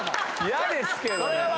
嫌ですけどね。